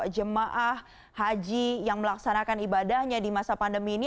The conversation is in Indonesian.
jemaah haji yang melaksanakan ibadahnya di masa pandemi ini